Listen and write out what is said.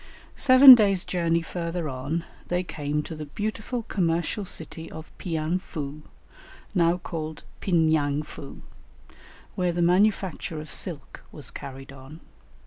] Seven days' journey further on they came to the beautiful commercial city of Pianfou, now called Pin yang foo, where the manufacture of silk was carried on.